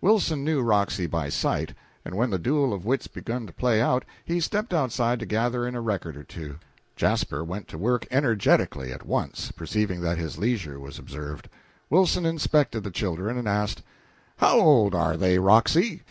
Wilson knew Roxy by sight, and when the duel of wit began to play out, he stepped outside to gather in a record or two. Jasper went to work energetically, at once, perceiving that his leisure was observed. Wilson inspected the children and asked "How old are they, Roxy?"